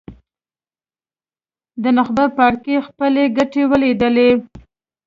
د نخبه پاړکي خپلې ګټې ولیدلې.